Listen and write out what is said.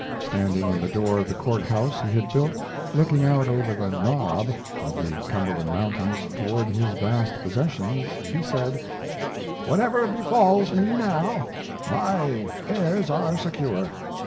Standing in the door of the Court House he had built, looking out over the "Knob" of the Cumberland Mountains toward his vast possessions, he said: "Whatever befalls me now, my heirs are secure.